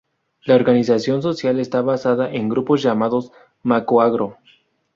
La organización social está basada en grupos llamados ma-kuagro.